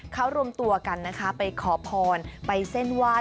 เขารวมตัวกันนะคะไปขอพรไปเส้นไหว้